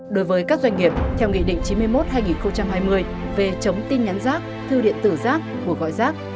đối với các doanh nghiệp theo nghị định chín mươi một hai nghìn hai mươi về chống tin nhắn rác thư điện tử rác cuộc gọi rác